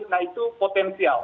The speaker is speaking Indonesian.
nah itu potensial